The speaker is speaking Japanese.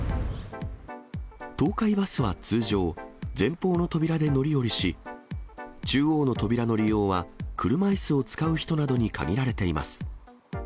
東海バスは通常、前方の扉で乗り降りし、中央の扉の利用は、車いすを使う人などに限られています。